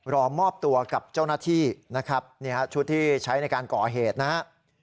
รอมอบตัวกับเจ้าหน้าที่นะครับชุดที่ใช้ในการก่อเหตุนะฮะ